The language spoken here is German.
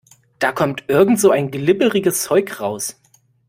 Da kommt irgend so ein glibberiges Zeug raus.